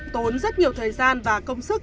tốn rất nhiều thời gian và công sức